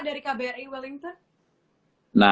dari kbri wellington